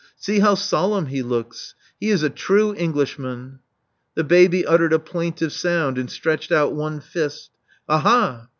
See how solemn he looks! He is a true Englishman." The baby uttered a plaintive sound and stretched out one fist. ''Aha!